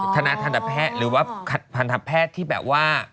ธนาธนแพทย์หรือว่าธนาแพทย์ที่แบบว่า